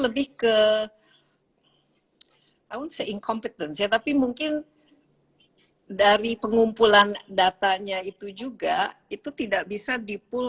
lebih ke tahun singkompetensi tapi mungkin dari pengumpulan datanya itu juga itu tidak bisa dipul